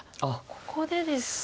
ここでですか。